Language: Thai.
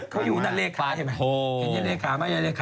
เค้าอยู่ในเลขา